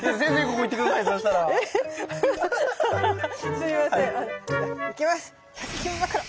すいません。